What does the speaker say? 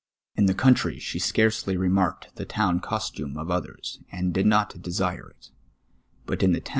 In the ccnnitry she scarcely remarked the toNm costume of others, and did not desire it, but in the THE " DISrUTATIOX."